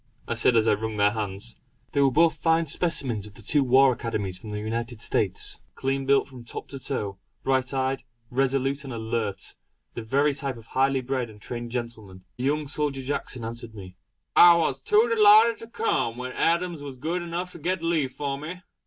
I said as I wrung their hands. They were both fine specimens of the two war Academies of the United States. Clean built from top to toe; bright eyed, resolute and alert; the very type of highly bred and trained gentlemen. The young soldier Jackson answered me: "I was too delighted to come, when Adams was good enough to get leave for me."